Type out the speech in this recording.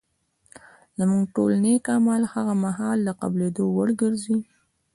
زموږ ټول نېک اعمال هغه مهال د قبلېدو وړ ګرځي